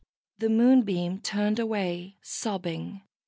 The Moonbeam turned away, sobbing.